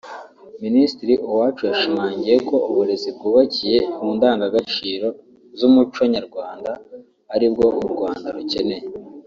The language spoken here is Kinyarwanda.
Minisitiri Uwacu yashimangiye ko uburezi bwubakiye ku ndangagaciro z’umuco Nyarwanda aribwo u Rwanda rukeneye